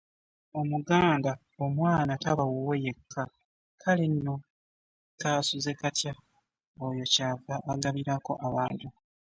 Omuganda omwana taba wuwe yekka, kale no kaasuzekatya oyo ky'ava agabirako abantu.